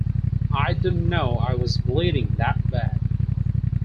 I didn't know I was bleeding that bad.